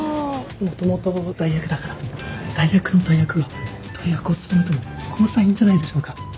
もともと代役だから代役の代役が代役を務めてもこの際いいんじゃないでしょうか？